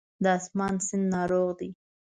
د آسمان سیند ناروغ دی